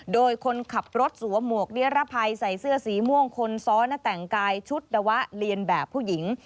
โดยคนขับรถสวมหมวกนิรภัยใส่เสื้อสีม่วงคนซ้อนแต่งกายชุดดะวะเรียนแบบผู้หญิง